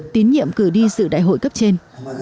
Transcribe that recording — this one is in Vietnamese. tín nhiệm cử đi sự đại hội cấp trên